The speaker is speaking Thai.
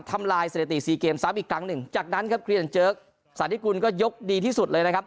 ทำลายสามอีกครั้งหนึ่งจากนั้นครับสาธิตกุลก็ยกดีที่สุดเลยนะครับ